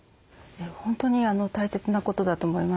本当に大切なことだと思います。